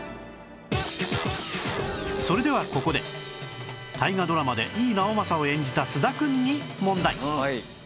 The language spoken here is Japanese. それではここで大河ドラマで井伊直政を演じた菅田くんに問題